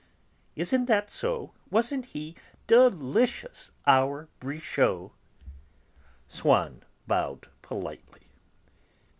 "Isn't that so; wasn't he delicious, our Brichot?" Swann bowed politely.